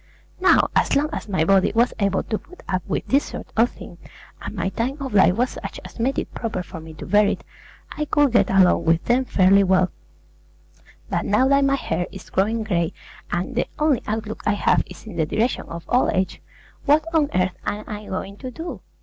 Now, as long as my body was able to put up with this sort of thing, and my time of life was such as made it proper for me to bear it, I could get along with them fairly well; but now that my hair is growing gray, and the only outlook I have is in the direction of old age, what on earth am I going to do?